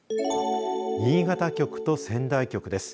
新潟局と仙台局です。